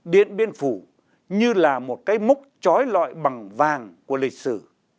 điện biên phủ như là một cái múc chói lọi bằng vàng của lịch sử